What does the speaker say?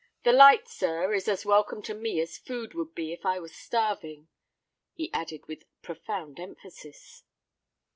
The light, sir, is as welcome to me as food would be if I was starving," he added with profound emphasis.